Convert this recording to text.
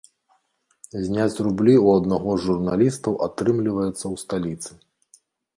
Зняць рублі ў аднаго з журналістаў атрымліваецца ў сталіцы.